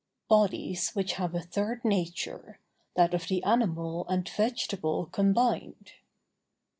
BODIES WHICH HAVE A THIRD NATURE, THAT OF THE ANIMAL AND VEGETABLE COMBINED.